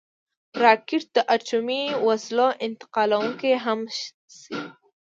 راکټ د اټومي وسلو انتقالونکی هم شي